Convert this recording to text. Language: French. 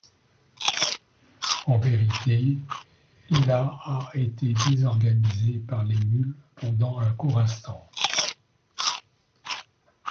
En vérité, la a été désorganisée par les mules pendant un court instant.